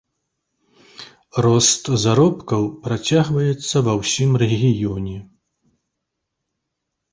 Рост заробкаў працягваецца ва ўсім рэгіёне.